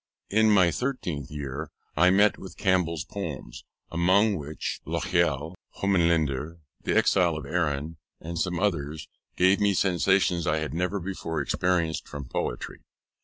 In my thirteenth year I met with Campbell's poems, among which Lochiel, Hohenlinden, The Exile of Erin, and some others, gave me sensations I had never before experienced from poetry.